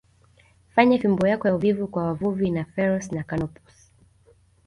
fanya fimbo yako ya uvuvi kwa wavuvi wa Pharos na Canopus